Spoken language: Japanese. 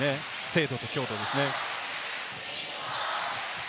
精度と強度ですね。